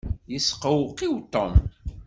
Yesqewqiw Tom.